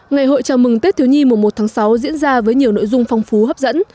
ngày hội chào mừng tết thiếu nhi mùa một tháng sáu diễn ra với nhiều nội dung phong phú hấp dẫn